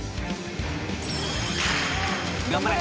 頑張れ！